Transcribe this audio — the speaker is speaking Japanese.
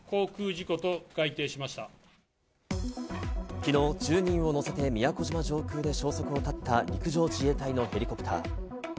昨日１０人を乗せて宮古島上空で消息を絶った陸上自衛隊のヘリコプター。